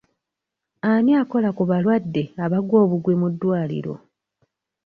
Ani akola ku balwadde abagwa obugwi mu ddwaliro?